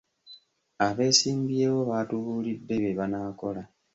Abeesimbyewo baatubulidde bye banaakola.